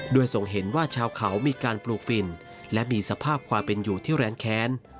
โดยส่งเห็นว่าชาวเขามีการปลูกฝิ่นและมีสภาพความเป็นอยู่ที่แรงแค้น